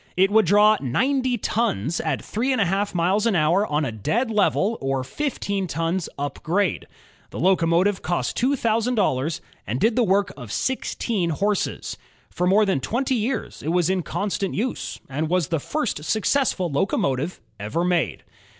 It would draw ninety tons at three and a half miles an hour on a dead level, or ' fifteen tons up grade. The locomotive cost two thousand dollars, and did the work of sixteen horses. For more than twenty years it was in constant use, and was the first successful locomotive ever made.